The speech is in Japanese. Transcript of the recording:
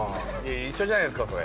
一緒じゃないですか、それ。